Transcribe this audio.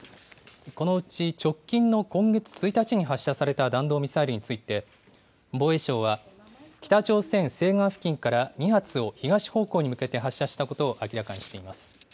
このうち直近の今月１日に発射された弾道ミサイルについて、防衛省は、北朝鮮西岸付近から２発を東方向に向けて発射したことを明らかにしています。